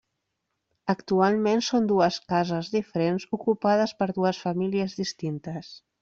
Actualment són dues cases diferents ocupades per dues famílies distintes.